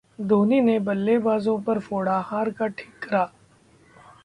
धोनी ने बल्लेबाजों पर फोड़ा हार का ठीकरा